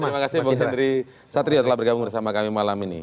terima kasih bang henry satrio telah bergabung bersama kami malam ini